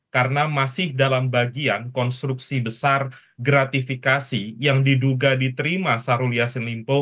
karena masih dalam bagian konstruksi besar gratifikasi yang diduga diterima sarulya senlimpo sebesar empat puluh an miliar rupiah